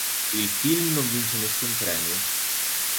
Il film non vince nessun premio.